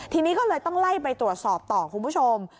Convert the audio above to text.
ทีนี้ก็เลยต้องไล่ไปตรวจสอบต่อคุณผู้ชม